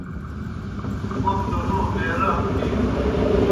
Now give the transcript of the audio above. تُوْ کوْم دہ لو بیرام بِینوئے۔